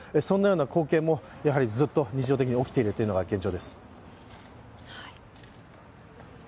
そんなような光景もずっと日常的に起きているのが現状です。